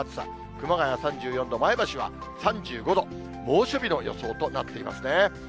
熊谷３４度、前橋は３５度、猛暑日の予想となっていますね。